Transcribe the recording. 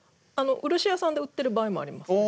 漆屋さんで売ってる場合もあります。